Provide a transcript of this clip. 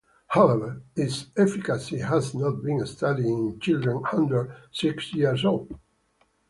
However, its efficacy has not been studied in children under six years old.